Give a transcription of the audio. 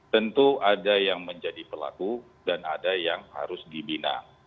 tentu ada yang menjadi pelaku dan ada yang harus dibina